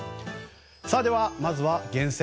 では、まずは厳選！